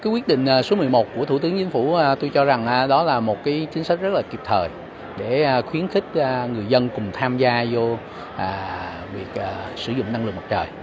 quyết định số một mươi một của thủ tướng chính phủ tôi cho rằng đó là một chính sách rất là kịp thời để khuyến khích người dân cùng tham gia vô việc sử dụng năng lượng mặt trời